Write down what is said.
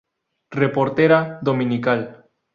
Reportera dominical.